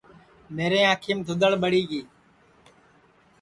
میرے انکھیم دھودؔڑ ٻڑی گی